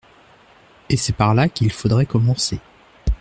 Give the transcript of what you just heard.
Et c'est par là qu'il faudrait commencer.